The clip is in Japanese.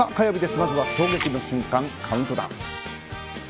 まずは衝撃の瞬間カウントダウン。